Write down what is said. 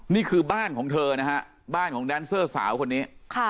นี่คือบ้านของเธอนะฮะบ้านของแดนเซอร์สาวคนนี้